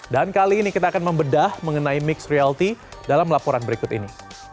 dan kali ini kita akan membedah mengenai mixed reality dalam laporan berikut ini